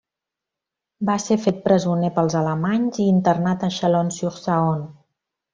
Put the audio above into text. Va ser fet presoner pels alemanys i internat a Chalon-sur-Saône.